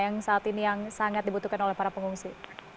yang saat ini yang sangat dibutuhkan oleh para pengungsi